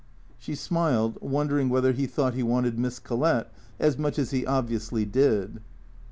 She smiled, wondering whether he thought he wanted Miss Collett as much as he obviously did.